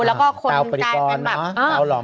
แล้วก็คนกลายเป็นแบบ